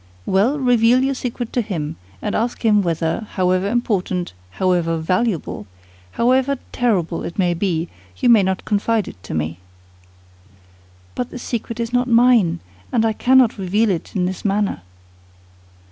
"Well, reveal your secret to him, and ask him whether, however important, however valuable, however terrible it may be, you may not confide it to me." "But this secret is not mine, and I cannot reveal it in this manner."